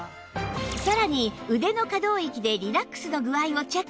さらに腕の可動域でリラックスの具合をチェック